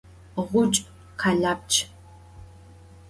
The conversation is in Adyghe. Ğuçç' khelapçç.